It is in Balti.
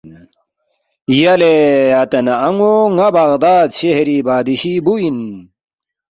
”یلے اَتا نہ اَن٘و ن٘ا بغداد شہری بادشی بُو اِن